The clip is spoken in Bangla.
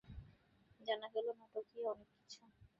জানা গেল নাটকীয় অনেক কিছু।